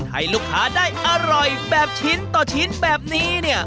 ให้ลูกค้าได้อร่อยแบบชิ้นต่อชิ้นแบบนี้เนี่ย